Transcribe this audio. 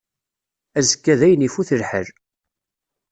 Azekka dayen ifut lḥal.